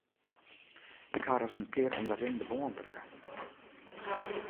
Ik ha ris in kear oan de rinnende bân wurke.